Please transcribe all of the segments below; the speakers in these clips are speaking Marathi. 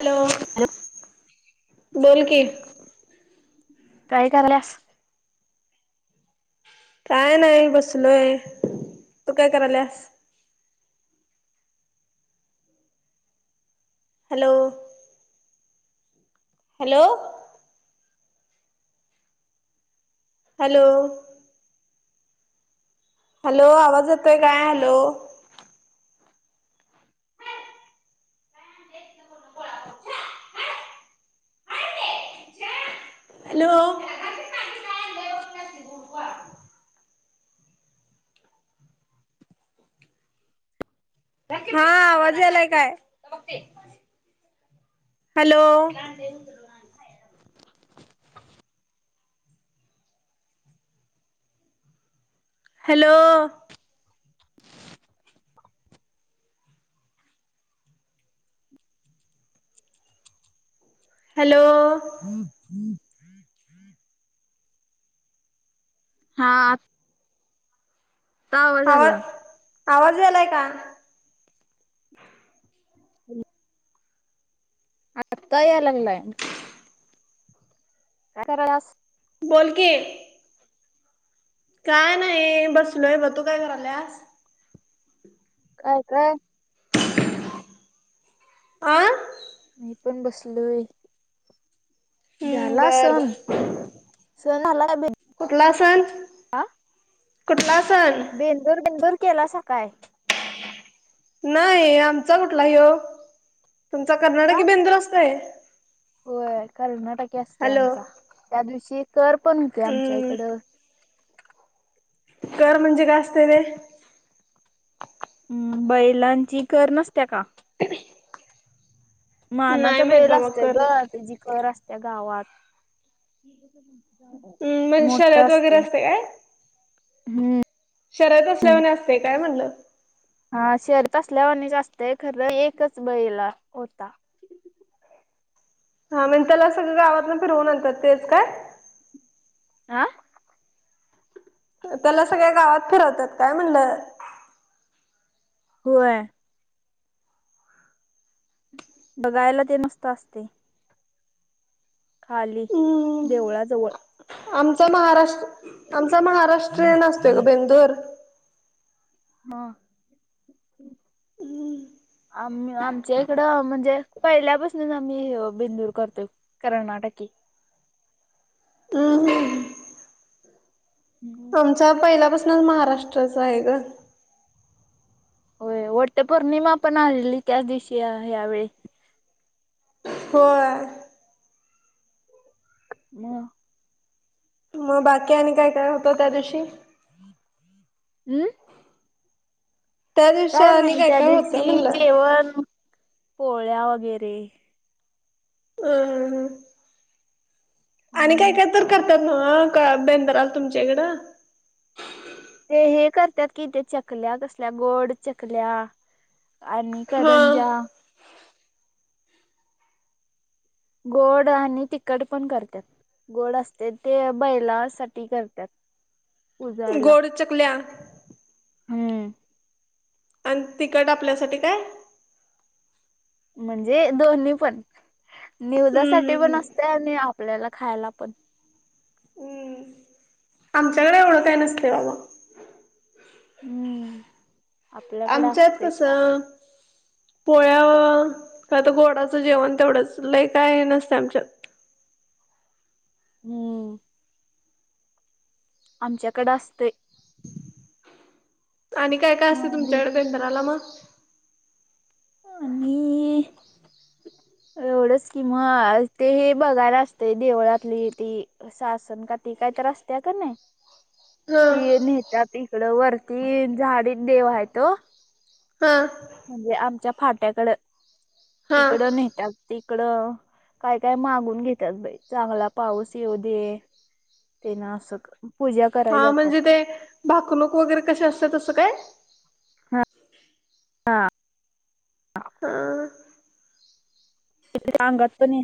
हॅलो हॅलो बोल की! काय कराल्यास? काय नाही बसलोय. तू काय करायलास? हॅलो हॅलो हॅलो हॅलो आवाज येतोय काय हॅलो हॅलो हा आवाज यायलाय काय? हॅलो हॅलो हॅलो [inaudible] हा [inaudible] आत्ता आवाज आला आवाज यालाय काय आत्ता याय लागलाय. काय करायल्यास. बोल की काय नाही बसलोय ब तू काय करायल्यास. काय काय आ मी पण बसलोय. हम्म झाला बर बर सण. सण आलाय बई कुठला सण? कुठला सण? बेंदूर बेंदूर केलासा काय? नाही. आमचा कुठला ह्यो. तुमचा कर्नाटकी बेंदूर असतोय? व्हय कर्नाटक असते आमचा त्या दिवशी कर पण हुते आमच्या हम्म. इकडं. कर म्हणजे काय असतंय ते? हम्म, बैलांची कर नसत्या का? [inaudible] नाही मानाचा माहित बैल बाबा असतय ग कर. त्यजी कर असतिया गावात. हम्म म्हणजे मोठा शर्यत वगैरे असतंय असते काय? हम्म. शर्यत हम्म, असल्यावानी असतंय काय म्हणलं? हा शर्यत असल्यावाणी असतंय खरं एकच बैला होता. हा म्हणजे त्याला सगळं गावातन फिरवून आणतात तेच का? आ? त्याला सगळ्या गावात फिरवतात काय म्हणलं? होय. बघायला ते मस्त असतंय. खाली हम्म. देवळाजवळ आमचा महाराष्ट आमचा महाराष्ट्रीयन असतोय ग बेंदूर. हा. हम्. आम-आमच्या इकडं म्हणजे पहिल्यापासनच आम्ही बिंदूर करतोय. कर्नाटकी. हम्म. हम्. आमचा पहिल्यापसन महाराष्ट्राच हाय ग. होय वट्ट पौर्णिमा पण आलेली त्याच दिवशी ह्या वेळी. होय. म. म- बाकी आणि काय काय होतं त्या दिवशी? हम्? त्या दिवशी काय आणि नाय त्या काय होतं दिवशी म्हणलं जेवण पोळ्या वगैरे. [unintelligible] आणि काय हम्म काय तर करतात न्हव बेंदराल तुमच्याइकडं? ते हे करत्यात कि ते चकल्या तसल्या गोड चकल्या. आणि हा करंजा गोड आणि तखट पण करत्यात. गोड असते ते बैलासाठी करत्यात. गोड चकल्या? हम्म. अन् तिकट आपल्यासाठी काय? म्हणजे दोन्ही पण निवदासाठी हम्म पण हम्म असते आणि आपल्याला खायला पण. हम्म, आमच्याकड एवढं काय नसतंय बाबा. हम्म. आपल्याकडे आमच्यात असते कसं पोळ्या का त गोडाचं जेवण तेवढंच लय काय हे नसतंय आमच्यात. हम्म, आमच्याकड असतंय. आणि काय काय असतंय मग आणि तुमच्याकड बेंदराला म? आणि. एवढंच कि मगं ते, हे बघायला असतंय देवळातली ती. सासनकाठी ते काय तर असत्या का नाही. ह ती नेतात इकडं, वरती झाडीत देव आहे तो. हा. म्हणजे आमच्या फाट्याकड, हा तिकडं नेतात. तिकडं काय-काय मागून घेतात बाई, चांगला पाऊस येऊ दे. ते ना अस. हा म्हणजे ते, भाकणूक वगैरे कशी असते तसं काय. हा, हा. हा. अंगात पण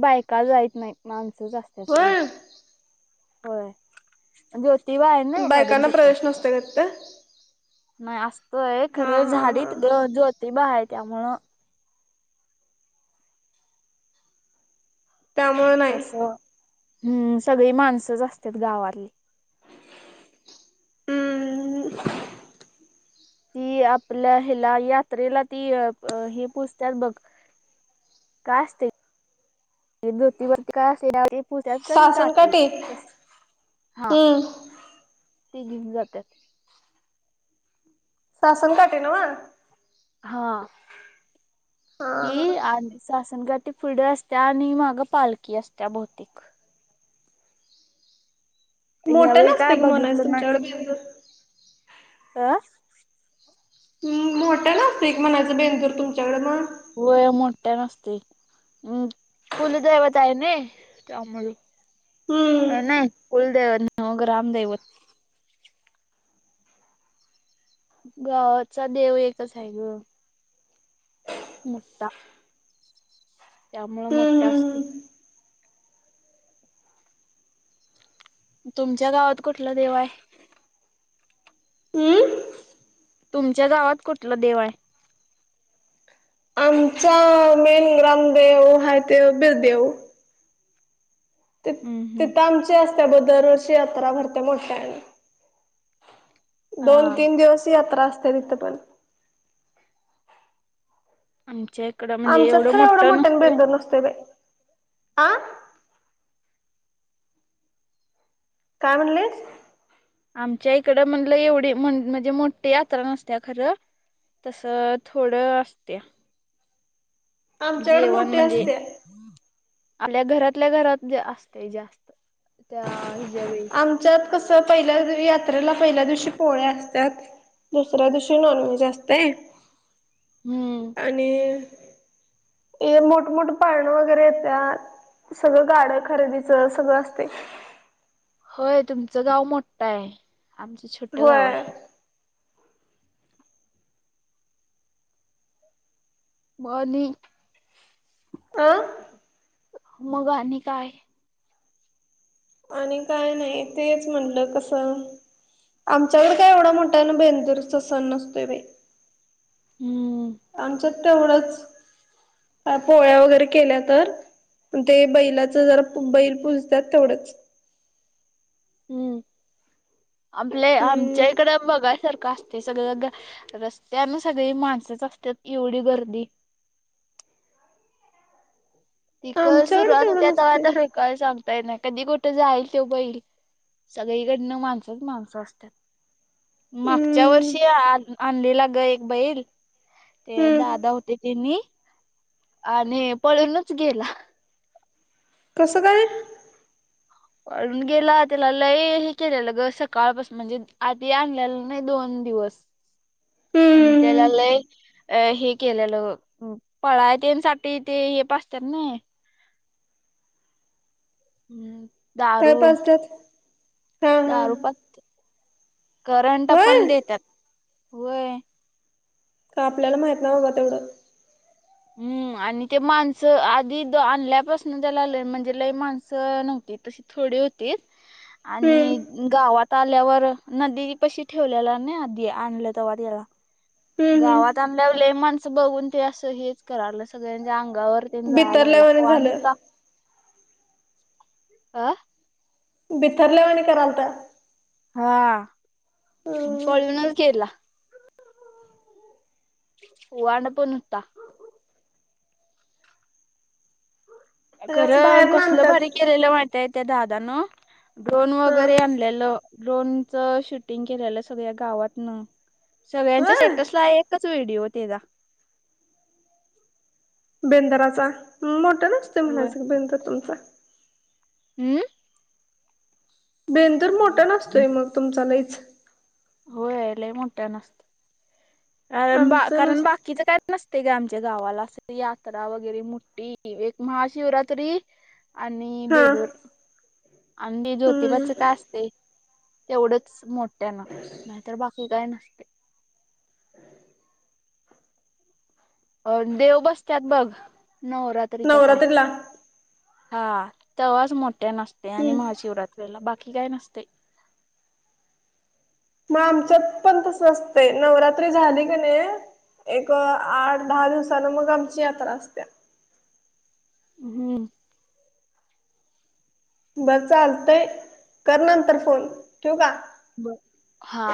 बायका जाईत नाही, माणसंच जात्यात. होय होय ज्योतिबा आहे ना कारन बायकांना तिथं. प्रवेश नसतोय का तिथं? नाही असतोय हा खरं, हा हा झाडीत जोतीबा आहे त्यामुळं त्यामुळे नाही. तस हम्म, सगळी माणसंच असतात गावात. हम्म. ती आपल्या हेला यात्रेला ती हे पुजत्यात बघ. काय असते. ती जोतिबा ची काय असलेल्यावर ते पुजतात कणी नाही काटी. सासनकाठी हम्म. ते घेऊन जात्यात. सासन काटी नव्हं. हा. हा हा ती आणि सासन काठी पुढं असत्या, आणि माग पालखी असत्या बहुतेक. मोठं ह्यावेळी काय नसतंय की म्हणायचं बघितलो नाय तुमच्याकडे बेंदूर? अ. ह् मोठ्यानं असतंय की म्हणायचं, बेंदुर तुमच्याकडे मग. होय मोठ्यानं असतंय. हम् कुलदैवत आहे नई. त्यामुळं, हम्म नाही कुलदैवत, नाही ओ ग्रामदेवत. गावाचा देव एकच आहे ग. मोठा, त्यामुळं हम्म मोठा हम्म असतोय. तुमच्या गावात कुठला देव हाय. हम्म. तुमच्या गावात कुठलं देव आहे? तुमचा मेन ग्रामदेव हाय तो बिरदेव. ति हम्म हम्म तिथं आमची असत्यात, ओ दरवर्षी यात्रा भरत्या मोठ्यानं. हा दोन-तीन दिवस यात्रा असत्या तिथं पण. आमच्या इकडं. म्हणजे आमच्यात एवढं खरं, एवढ्या मोठं मोठ्यानं नसतंय बेंदुर नसतोय बाई आ. काय म्हणलीस? आमच्या इकडं, म्हणलं एवढी म्हणलं, म्हणजे एवढी मोठ्ठी यात्रा नसत्या खरं. तसं थोडं असत्या. आमच्याकडे जेवण मोठी म्हणजे. असत्या. आल्या घरातल्या-घरात असतंय जास्त, त्या हे ज्या वेळी. आमच्यात कसं पहिल्या, यात्रेला पहिल्या दिवशी पोळ्या असत्यात. दुसऱ्या दिवशी नॉनव्हेज असतंय हम्म आणि हे मोठमोठं पाळणं वगैरे येत्यात, सगळं गाडं खरेदीचं सगळं अस ते होय तुमचं गाव मोठं आहे, आमचं छोट गाव होय. हाय. म आणि अं मग आणि काय आणि काय नाय तेच म्हणलं कसं आमच्याकडं काय एवढा मोठ्यानं बेंदूरचा सण नसतोय बाई. हम्म आमच्यात तेवढंच काय पोळ्या वगैरे केल्या तर ते बैलाचं जर बैल पूजत्यात तेवढंच हम्म आपले आमच्या हम्म इकडं बघाय सारखं असतंय सगळं ग रस्त्यानं सगळी माणसंच असत्यात इवढी गर्दी पीकर आमच्याकडे सुरुवात तेवढं होत्या तवा नसते तर काय सांगता येत नाही, कधी कुठं जाईल त्यो बैल सगळीकडनं माणसंच माणसं असत्यात. मागच्या हम्म वर्षी आणं आणलेला गं एक बैल ते हम्म दादा होते त्यांनी आणि पळूनच गेला. कसं काय पळून गेला त्याला लय हे केलेलं गं सकाळपास म्हणजे आधी आणलेलं नाही दोन दिवस. आणि त्येला हम्म लय अ हे केलेलं पळाय तेनसाठी ते हे पाजत्यात नाई हम्म काय दारू पाजतात हा हा दारू पाज करंट पण होय देत्यात होय. का आपल्याला माहित नाही बाबा तेवढं. हम्म आणि ते माणसं आधी आणल्यापासनं त्याला लय म्हणजे लय माणसं नव्हती तशी थोडी होतीत हम्म आणि गावात आल्यावर नदी पशी ठेवलेला ना आधी आणलं तवा तेला. हम्म गावात हम्म आणल्याव लय माणसं बघून ते असं हेच करालं सगळ्यांच्या अंगावर तेन जाया लागला बितरल्यावाणी वांड झालं हुता अं बिथरल्यावानी करालता. हा म्हणजे पळूनच गेला. वांड पण हुता. असं खरं बाहेर ना कसलं भारी आणतात केलेलं माहित आहे त्या दादानं, ड्रोन हा वगैरे आण लेलं ड्रोनचं शूटिंग केलेलं सगळ्या गावातनं सगळ्यांच्या होय स्टेटसला एकच व्हिडिओ तेजा. बेंदराचा मोठ्यानं असतोय होय म्हणायचा की बेंदर तुमचा. हम्म बेंदूर मोठ्यानं असतोय मग तुमचा लयच. होय लय मोठ्यानं असतो अ बा आमचं नस कारण बाकीचं काय नसते गं आमच्या गावाला असं यात्रा वगैरे मोठी एक महाशिवरात्री आणि हा बेदूर आणि हम्म ज्योतिबाचं काय असतंय तेवढंच मोठ्यानं नाहीतर बाकी काय नसतय. अ देव बसत्यात बघ नवरात्री का काय. नवरात्रीला हम्म हा तवाच मोठ्यानं असतंय आणि महाशिवरात्रीला बाकी काय नसतंय. मग आमच्यात पण तस असतंय नवरात्री झाली का नय एक आठ दहा दिवसानं मग आमची यात्रा असते. हम्म. बरं चालतय कर नंतर फोन ठेवू का? बर. हा.